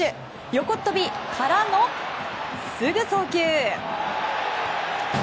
横っ飛びからのすぐ送球！